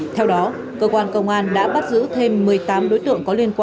theo đó cơ quan công an đã bắt giữ thêm một mươi tám đối tượng